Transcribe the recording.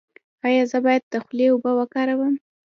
ایا زه باید د خولې اوبه وکاروم؟